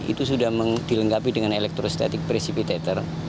itu sudah dilengkapi dengan elektrostatic precipitator